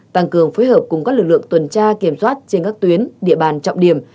tăng cường phối hợp cùng các lực lượng tuần tra kiểm soát trên các tuyến địa bàn trọng điểm